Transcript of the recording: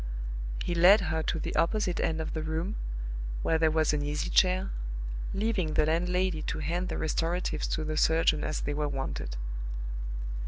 He led her to the opposite end of the room, where there was an easy chair, leaving the landlady to hand the restoratives to the surgeon as they were wanted.